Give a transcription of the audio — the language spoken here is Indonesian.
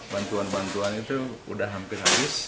bantuan bantuan itu sudah hampir habis